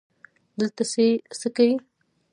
دلته څه که یې